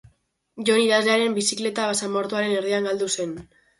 Jon idazlearen bizikleta basamortuaren erdian galdu zen.